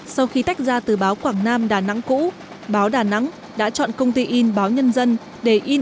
sau khi tách ra từ báo quảng nam đà nẵng cũ báo đà nẵng đã chọn công ty in báo nhân dân để in